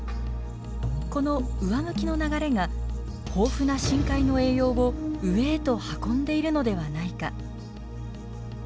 この上向きの流れが豊富な深海の栄養を上へと運んでいるのではないか？